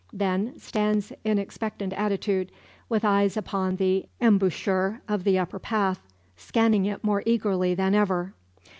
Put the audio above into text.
Then stands in expectant attitude, with eyes upon the embouchure of the upper path, scanning it more eagerly than ever.